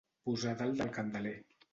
Posar dalt del candeler.